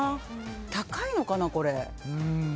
高いのかな、これ？